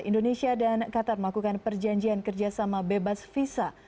indonesia dan qatar melakukan perjanjian kerjasama bebas visa